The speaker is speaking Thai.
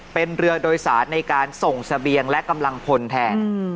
เป็นเรือโดยสารในการส่งเสบียงและกำลังพลแทน